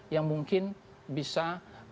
yang mungkin bisa berpengaruh